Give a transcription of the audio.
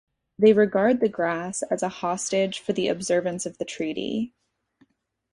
They regard the grass as a hostage for the observance of the treaty.